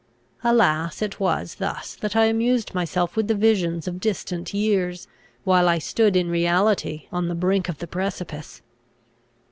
Alas, it was thus that I amused myself with the visions of distant years, while I stood in reality on the brink of the precipice!